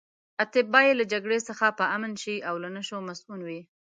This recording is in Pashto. اتباع یې له جګړې څخه په امن شي او له نشو مصئون وي.